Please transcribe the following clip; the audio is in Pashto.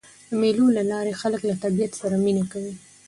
د مېلو له لاري خلک له طبیعت سره مینه کوي.